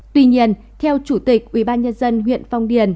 tuy nhiên theo chủ tịch ubnd huyện phong điền